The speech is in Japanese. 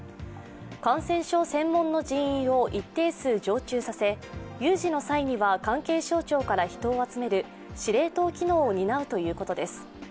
感染症専門の人員を一定数常駐させ有事の際には関係省庁から人を集める司令塔機能を担うということです。